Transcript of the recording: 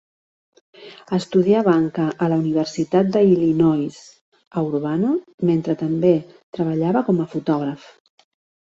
Estudià banca a la Universitat d'Illinois a Urbana, mentre també treballava com a fotògraf.